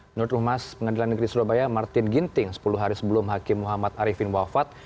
menurut rumas pengadilan negeri surabaya martin ginting sepuluh hari sebelum hakim muhammad arifin wafat